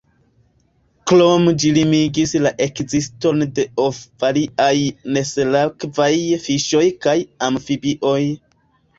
Krome ĝi limigis la ekziston de of variaj nesalakvaj fiŝoj kaj amfibioj.